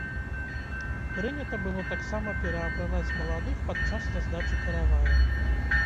Прынята было таксама пераапранаць маладых падчас раздачы каравая.